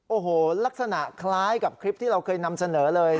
โอ้โหลักษณะคล้ายกับคลิปที่เราเคยนำเสนอเลย